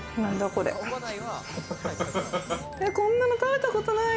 こんなの、食べたことない。